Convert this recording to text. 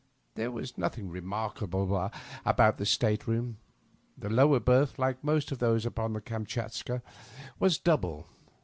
There was nothing remarkable about the state room. The lower berth, like most of those upon the EamtachatJca^ was double.